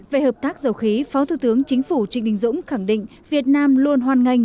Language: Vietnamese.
về hợp tác dầu khí phó thủ tướng chính phủ trịnh đình dũng khẳng định việt nam luôn hoàn ngành